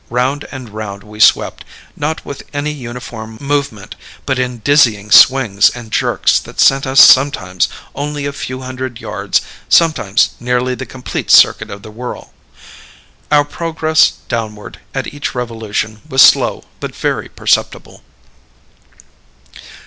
Round and round we swept; not with any uniform movement, but in dizzying swings and jerks that sent us sometimes only a few hundred yards, sometimes nearly the complete circuit of the whirl. Our progress downward, at each revolution, was slow but very perceptible.